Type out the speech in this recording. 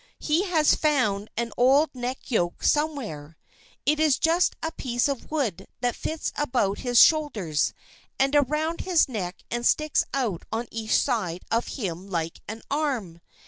He has found an old neck yoke somewhere. It is just a piece of wood that fits about his shoulders and around his neck and sticks out on each side of him like an arm.